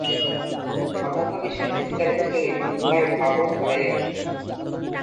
অন্যান্য বিষয়-বিস্তারের সহিত উহার ভাবও ছড়াইয়া থাকে।